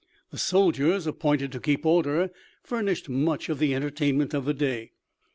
The soldiers appointed to keep order furnished much of the entertainment of the day.